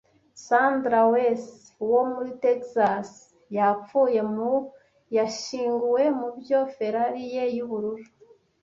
Sandra Wes wo muri Texas yapfuye mu yashyinguwe mubyo Ferrari ye y'ubururu